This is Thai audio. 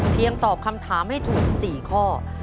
เพียงตอบคำถามให้ทุกคน